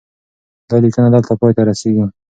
دا لیکنه دلته پای ته رسیږي.